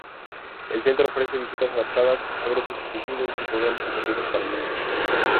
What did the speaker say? El centro ofrece visitas adaptadas a grupos específicos y programas educativos para niños.